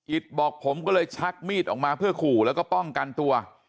บอกผมก็เลยชักมีดออกมาเพื่อขู่แล้วก็ป้องกันตัว